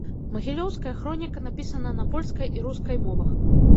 Магілёўская хроніка напісана на польскай і рускай мовах.